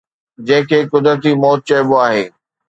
جنهن کي قدرتي موت چئبو آهي